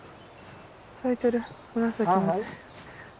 咲いてる紫のやつ。